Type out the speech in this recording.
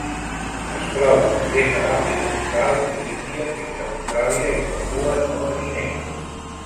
Es troba des de l'Àfrica Austral i l'Índia fins a Austràlia i Papua Nova Guinea.